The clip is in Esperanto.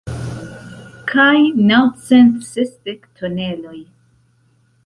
Kaj naŭcent sesdek toneloj.